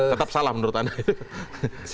tetap salah menurut anda